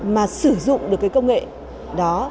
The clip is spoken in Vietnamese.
mà sử dụng được cái công nghệ đó